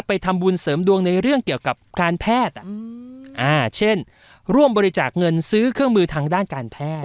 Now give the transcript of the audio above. ไปทำบุญเสริมดวงในเรื่องเกี่ยวกับการแพทย์เช่นร่วมบริจาคเงินซื้อเครื่องมือทางด้านการแพทย์